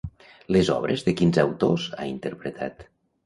Les obres de quins autors ha interpretat?